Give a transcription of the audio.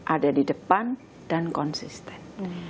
ada di depan dan konsisten